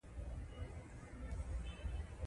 انګلیسي متل وایي وخت تېز تېرېږي.